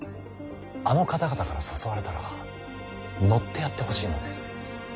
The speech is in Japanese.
あの方々から誘われたら乗ってやってほしいのです。